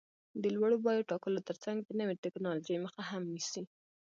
د لوړو بیو ټاکلو ترڅنګ د نوې ټکنالوژۍ مخه هم نیسي.